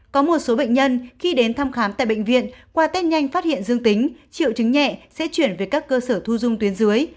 có một số bệnh nhân khi đến thăm khám tại bệnh viện qua test nhanh phát hiện dương tính triệu chứng nhẹ sẽ chuyển về các cơ sở thu dung tuyến dưới